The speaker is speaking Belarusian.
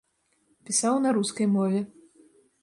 Пісаў на рускай мове.